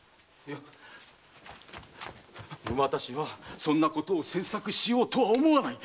私はそんなことを詮索しようとは思わない！